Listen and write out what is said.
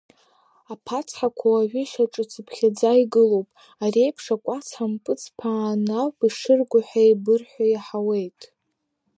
Аԥацхақәа уажәы шьаҿацыԥхьаӡа игылоуп, ари еиԥш акәац ҳампыҵԥааны ауп ишырго ҳәа еибырҳәо иаҳауеит.